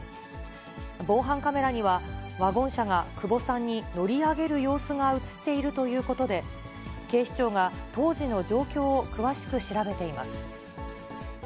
防犯カメラには、ワゴン車が久保さんに乗り上げる様子が写っているということで、警視庁が当時の状況を詳しく調べています。